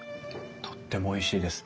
とってもおいしいです。